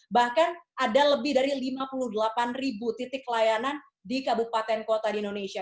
bahkan ada lebih dari lima puluh delapan ribu titik layanan di kabupaten kota di indonesia